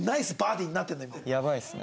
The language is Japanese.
やばいですね。